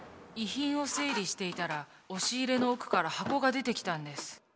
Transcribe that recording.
遺品を整理していたら押し入れの奥から箱が出てきたんです。